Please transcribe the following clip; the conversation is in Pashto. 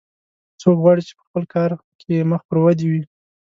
څوک غواړي چې په خپل کار کې مخ پر ودې وي